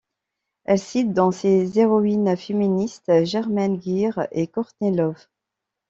Elle cite dans ses héroïnes féministes Germaine Greer et Courtney Love.